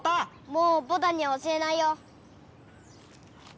もうポタには教えないよ。